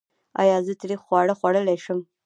ایا زه تریخ خواړه خوړلی شم؟